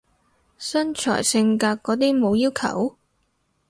身材性格嗰啲冇要求？